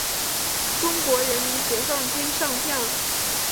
中国人民解放军上将。